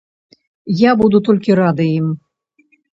Я буду толькі рады ім.